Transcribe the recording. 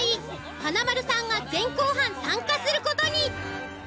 華丸さんが前後半参加する事に。